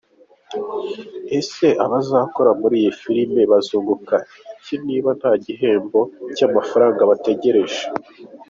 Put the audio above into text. Ese abazakora muri iyi filime bazunguka iki niba nta gihembo cy’amafaranga bategereje?.